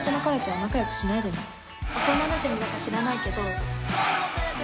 ・幼なじみだか知らないけど。